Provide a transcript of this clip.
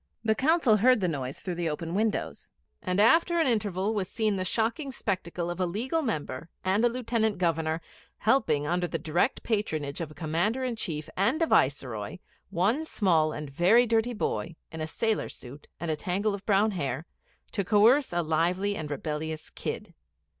The Council heard the noise through the open windows; and, after an interval, was seen the shocking spectacle of a Legal Member and a Lieutenant Governor helping, under the direct patronage of a Commander in Chief and a Viceroy, one small and very dirty boy, in a sailor's suit and a tangle of brown hair, to coerce a lively and rebellious kid.